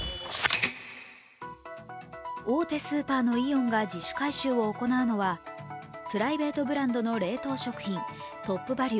大手スーパーのイオンが自主回収を行うのはプライベートブランドの冷凍食品トップバリュ